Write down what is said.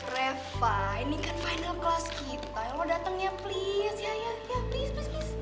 reva ini kan final kelas kita lo dateng ya please ya ya ya please please please